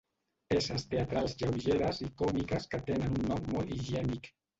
Peces teatrals lleugeres i còmiques que tenen un nom molt higiènic.